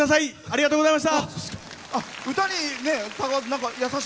ありがとうざいました！